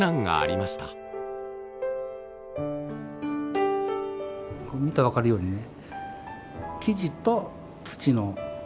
見たら分かるようにね